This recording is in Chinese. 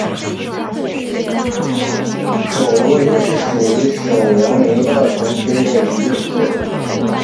肘髎穴是属于手阳明大肠经的腧穴。